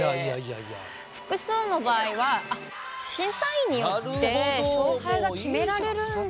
複数の場合は審査員によって勝敗が決められるんだ。